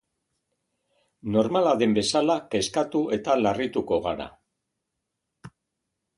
Normala den bezala kezkatu eta larrituko gara.